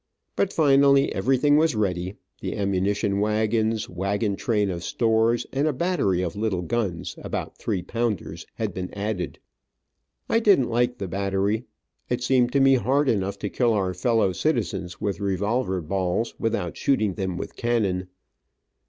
But finally everything was ready, the ammunition wagons, wagon train of stores, and a battery of little guns, about three pounders, had been added. I didn't like the battery. It seemed to me hard enough to kill our fellow citizens with revolver balls, without shooting them with cannon.